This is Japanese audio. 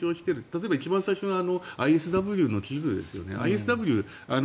例えば一番最初のＩＳＷの地図ですよね。